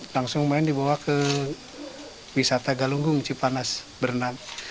langsung main dibawa ke wisata galunggung cipanas berenang